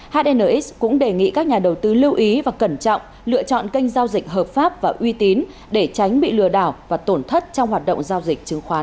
hnx cũng đề nghị các nhà đầu tư lưu ý và cẩn trọng lựa chọn kênh giao dịch hợp pháp và uy tín để tránh bị lừa đảo và tổn thất trong hoạt động giao dịch chứng khoán